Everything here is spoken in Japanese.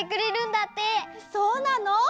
そうなの？